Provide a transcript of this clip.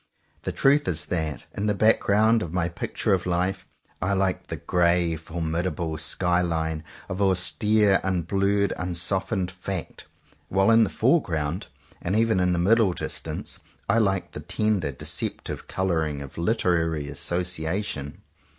The truth is that, in the background of my Picture of Life, I like the grey formidable skyline of austere, un blurred, unsoftened fact; while in the fore ground, and even in the middle distance, I like the tender, deceptive colouring of literary association.